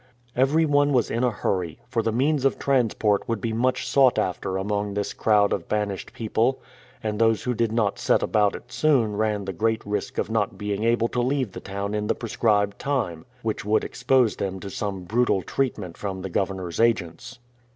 Everyone was in a hurry, for the means of transport would be much sought after among this crowd of banished people, and those who did not set about it soon ran a great risk of not being able to leave the town in the prescribed time, which would expose them to some brutal treatment from the governor's agents.